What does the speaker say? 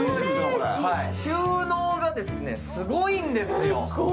収納がすごいんですよ。